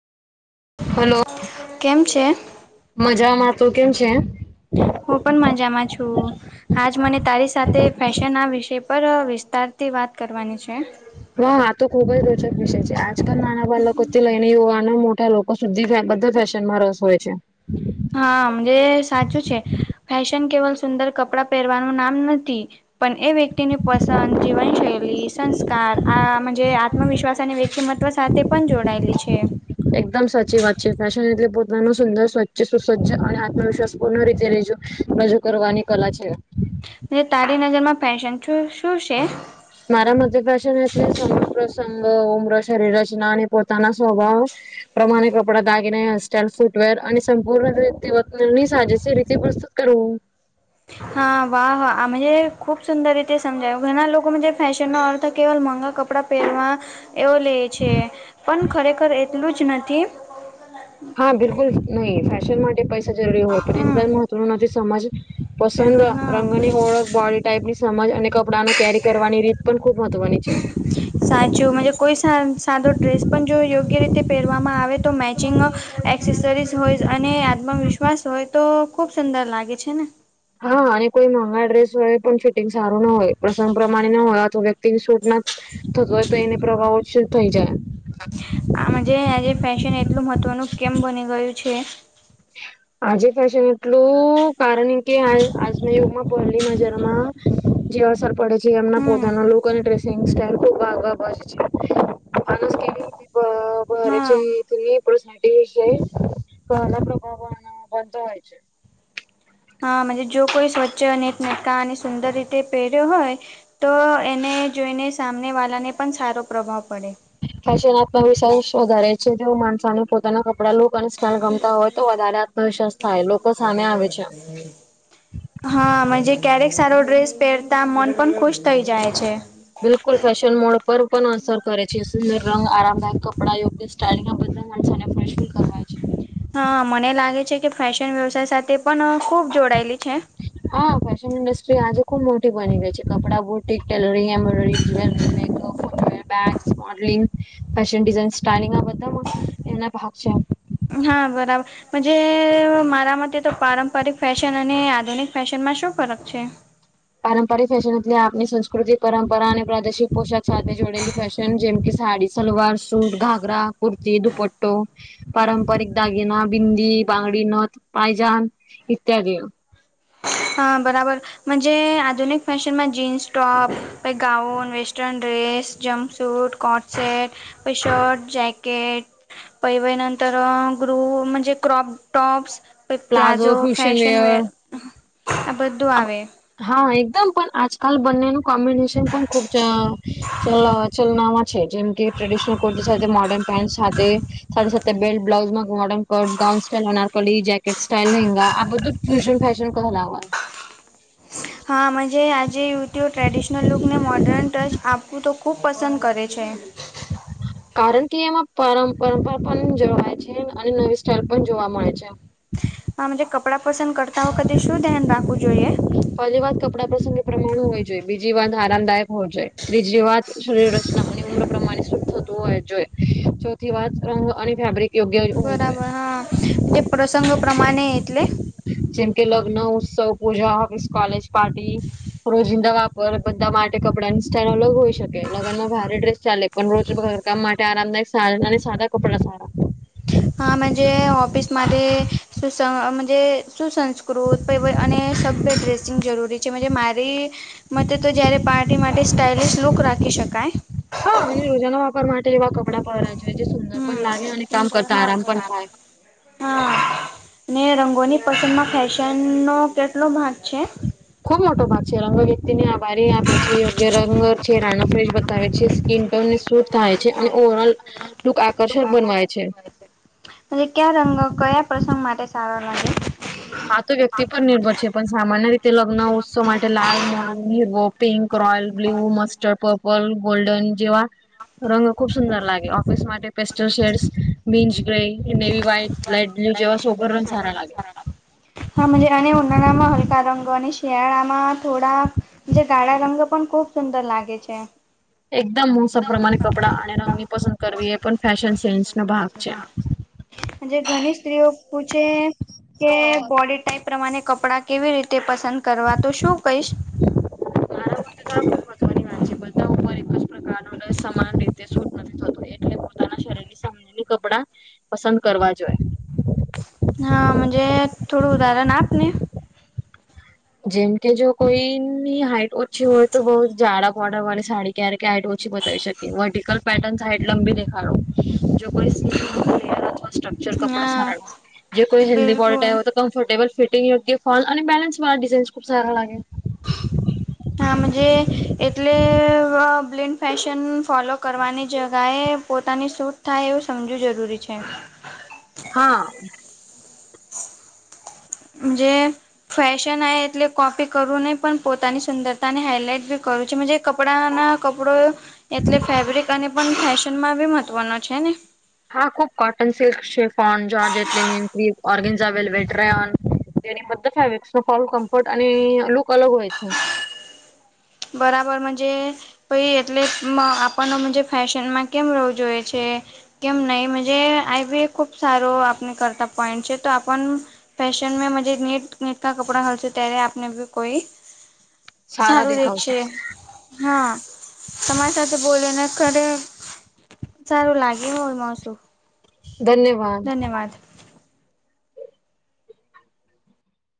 Hello કેમ છે? મજામાં તો કેમ છે. હું પણ મજામાં છું. હાજ મને તારી સાથે ફેશન આ વિષય પર વિસ્તારથી વાત કરવાની છે. હ હા તો ખૂબજ રોચક વિષય છે આજકાલ માનાવા લકથી લઈને યોગનો મોટા લોકો સુધી બધા ફેશન માં રસ હોય છે. હા જે સાચું છે ફેશન કેવલ સુંદર કપડાં પહેરવાનું નામ નથી. પણ એ વ્યક્તિની પસંદ જીવનશૈલી સંસ્કાર આ આત્મવિશ્વાસ અને વ્યક્તિમ સાથે પણ જોડાયેલી છે. એકદમ સાચી વાત છે ફેશન એટલે પોતાનું સુંદર સ્વચ્છ સુસજ્જ અને આત્મવિશ્વાસ પૂર્ણ રીતે રેજો રજૂ કરવાની કલા છે. તારી નજરમાં ફેશન શું છે. મારા મધ પ્રષન એ સમગ્ર સંગ ઉમ્ર શરીર રચના અને પોતાના સ્વભાવ પ્રમાણે કપડા દાગીને હેરસ્ટાાઈલ ફૂટવેર અને સંપૂર્ણ રની સાજે રીત કરો. હા વાહ વાહ આ ખુબ સુંદર રીતે સમજાયું ઘણા લોકો ફેશનનોો અર્થ કેવલ મોંઘા કપડા પહેરવા એવો લે છે પણ ખરેખર એટલુંજ નથી. હા બિલકુલ નહી ફેશન માટે પૈસા જરૂરી હોય હમ પણ એ મહત્વનું નથી સમજ પસંદ જરૂર હા રંગની ઓળખ બોડી ટાઈપ ની સમજ અને કપડા ન કેરી કરવાની રીત પણ ખુબ મહત્વની છે. સાચું કોઈ સાદો ડ્રેસ પણ જો યોગ્ય રીતે પહેરવામાં આવે તો મેચિંગ સરસ હોય અને આત્મવિશ્વાસ હોય તો ખુબ સુંદર લાગે છે ને હા અને કોઈ મોંઘા ડ્રેસ હોય પણ ફિટિંગ સારું ના હોય પ્રસંગ પ્રમાણે ન હોય આ તો વ્યક્તિની શૂટ ના થતો હોય તો એને પ્રવાહો જ થઈ જાય. આમ જે આજે ફેશન એટલું મહત્વનું કેમ બની ગયું છે. હ. આજે ફેશન એટલું કારણ કે આજના યુગમાં પહેલી નજરમાં જે અસર પડે છે એમના હમ પોતાના લુક અને ડ્રેસિંગ સ્ટાલ ખુબ આગળ વધ છે. માણસ કેવી બ બરા છે હા ત એ પડસ વિશે કના બનતો હોય છે. હા જો કોઈ સ્વચ્છ અનેટ નકા અને સુંદર રીતે પહેર્યો હોય તો એને જોઈને સામનેવાળાને પણ સારો પ્રભાવ પડે ફશન આત્મવિશ્વાસ વધારે છે જે માણસાને પોતાના કપડા લોકો સ ગમતા હોય તો વધારે આત્મશસ થાય લોકો સામે આવે છે. હમ. હાજ ક્યારેક સારો ડ્રેસ પહેરતા મન પણ ખુશ થઈ જાય છે. બિલકુલ ફેશન મોડ પર પણ અસર કરે છે સુંદર રંગ આરામદાયક કપડા યોગ્ય બ. [unintelligible] હા મને લાગે છે કે ફેશન વ્યવસાય સાથે પણ ખુબ જોડાયેલી છે. હા ફેશન ઇન્ડસ્ટ્રી આજે ખુબ મોટી બની ગઈ છે કપડાં બુટિક ટેલરિંગ એમ્બ્રોડરીંગ જ્વેલરી [inaudible] ગ મોડલિ ફન ડિઝન સ્ટારલિંગ બધા એના ભાગ છે. હા બરાબર. જ મારા માટે તો પારંપરિક ફેશન અને આધુનિક ફેશનમાં શું ફરક છે. પારંપરિક ફેશન એટલે આપની સંસ્કૃતિ પરંપરા અને પ્રાદેશિક પોશાક સાથે જોડેલી ફેશન જેમ કે સાડી સલવાર સૂટ ઘાઘરા કુર્તી દુપટ્ટો પારંપરિક દાગીના બિંદી બંગડી નથ પાયજાન ઈત્યાદ. હા બરાબર. મજે આધુનિક ફેશનમાં જીન્સ ટોપ પહી gown western dress jumpsuit. Coat set પહી શર્ટ જેકેટ. પૈવેનંતરગ્રુ મંજ crop tops. Palazzo fashion wear આ બધું આવે. હા એકદમ પણ આજકાલ બંનેનું કોમ્બિનેશન પણ ખુબ ચલ ચલનામાં છે જેમ કે ટ્રેડિશનલ કુર્તી સાથે મોર્ડર્ન પેન્ટ સાથે સાથે સાથે બેલ્ટ બ્લાઉઝ માં મોડર્ન. કટ ગાઉન સ્ટાઇલ અનાર કલી જેકેટ સ્ટાઇલ નંગા આ બધુ ફૂશન ફશન કહલાહ હા મજે આજે યુટ્યુ ટ્રેડિશનલ લુકને મોર્ડર્ન ટચ આપવું તો ખૂબ પસંદ કરે છે. [inaudible] કારણ કે એમાં પરપંપરા પણ જળવાય છે અને નવી સ્ટાઈલ પણ જોવા મળે છે. હા મંજ કપડાં પસંદ કરતા વખતે શું ધ્યાન રાખવું જોઈએ. પહેલી વાત કપડા પ્રસંગે પ્રમાણ હોવી જોઈએ બીજી વાત આરામદાયક હોવ જોઈએ ત્રીજી વાત. શરીર રચના અને પ્રમાણે શદ થતું હોય જોઈએ ચોથી વાત રંગ અને ફેબ્રિક. યોગ્ય હોવું જોઈએ બરાબર હા જે પ્રસંગ પ્રમાણે એટલે? જેમકે લગ્ન ઉત્સવ પૂજા કોલેજ પાર્ટી રોજિંદા વા પર બધા માટે કપડા ની સ્ટાઈલ અલગ હોય શકે લગ્ન ભારે ડ્રેસ ચાલે પણ રોજ કામ માટે આરામદાયક [unintelligible] અને સાદા કપડા સારા. હા મજે ઓફિસ માટે સુસ મજે સુસસ્કૃત પબ અને સભ્ય ડ્રેસિંગ જરૂરી છે મજે મારી. મતે તો જ્યારે પાર્ટી માટે સ્ટાઇલિશ લુક રાખી શકાય. હા અને રોજાના વાપર માટે એવા કપડાં પહેરરા જોએ જે સુંદર પણ હમ લાગે અને કામ કરતા હા આરામ પણ થાય. હા ને રંગોની પસંદ માં ફેશન નો કેટલો ભાગ છે. ખુબ મોટો ભાગ છે રંગ વ્યક્તિને આભારી આપે છે યોગ્ય રંગ ચરાનો ફ્રેશ બતાવે છે સ્કીન એમને શૂટ થાય છે અને ઓવરલુક આકર્ષક બનવાય છે. અને ક્યા રંગો કયા પ્રસંગ માટે સારો લાગે. આ તો વ્યક્તિ પણ નિર્ભર છે પણ સામાન્ય રીતે લગ્ન ઉત્સવ માટે લાલ [unintelligible] pink royal blue mustard purple golden જેવા. રંગો ખુબ સુંદર લાગે ઓફિસ માટે પેસ્ટલ શેડ્સ બીન્સ grey navy white. Light blue જેવા સોર રંગ સારા લાગે. હા મજે [unintelligible] માહોલ હલકા રંગ. તો અને શિયાળામાં થોડા જે ગાળા રંગ પણ ખૂબ સુંદર લાગે છે. એકદમ મોસ પ્રમાણે કપડાં અને રંગની પસંદ કરવી એ પણ ફેશન સેન્સ નો ભાગ છે. જે ઘણી સ્ત્રીઓ પૂછે. કે બોડી ટાઈપ પ્રમાણે કપડા કેવી રીતે પસંદ કરવા તો શું કહીશ. મારા [inaudible] તો આબ મહત્વની વાત છે બધા ઉપર એકજ પ્રકાર ન સમાન. [inaudible] કપડા પસંદ કરવા જોએ. હા મજે થોડું ઉદાહરણ આપને. જેમ કે જો કોઈની હાઈટ ઓછી હોય તો બઉ જાડા બોર્ડર વાળી સાડી ક્યારેક [unintelligible] ઓછી બતાવી શકી વર્ટિકલ પેટર્ન સાઇટ લંબી દેખાડો. જો કોઈ [unintelligible] સક્ચર કપડા હા સારા કોઈ હેલ્દી બિલકુલ [unintelligible] કમ્ફર્ટેબલ ફટંગ યોગ્ય ફલ અને બેલેન્સ વાળા ડિઝાઇન્સ ખુબ સારા લાગે. હા મજે એટલે બ બ્લીન્ક ફેશન ફોલો કરવાની જગ્યાએ પોતાની સૂટ થાય એવું સમજવું જરૂરી છે. હા. જે ફેશન આ એટલે કોપી કરવું નહીં પણ પોતાની સુંદરતા ને હાઈલાઈટ બી કરવું છે મજે કપડા ના કપડો એટલે ફેબ્રિક અને પણ ફેશનમાં બી મહત્વનો છે ને. હા ખુબ કોટન સિલ્ક શેફોન જોજ એટલી. ઓર્ગેનઝ આવેલ વેટરન તેની બધ ફેબ્રિક્સ ન ફોલ કમ્ફર્ટ અને લુક અલગ હોય છે. બરાબર મજે. પાઈ એટલે આપણનેજ ફેશનમાં કેમ રહવું જોઈએ છે. કેમ નહીજ આઈ બી એ ખુબ સારું આપને કરતા પોઈન્ટ છે તો આપ. ફશન મે મુજે નેટ નેટ કા કપડાા હલસે તૈરે્યા આપનેી કોઈ. સારા સારું દેખાવશ. દેખશે. હા તમારી સાથે બોલી ને ખરે. સારું લાગે હોય માસું. ધન્યવાદ. ધન્યવાદ.